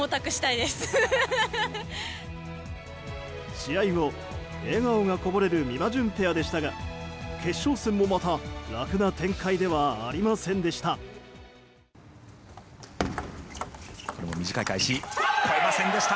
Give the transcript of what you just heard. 試合後、笑顔がこぼれるみまじゅんペアでしたが決勝戦もまた楽な展開ではありませんでした。